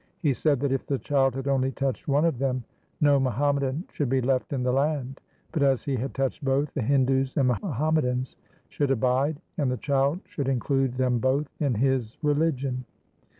He said that if the child had only touched one of them, no Muhammadan should be left in the land ; but as he had touched both, the Hindus and Muhammadans should abide, and the child should include them both in his religion.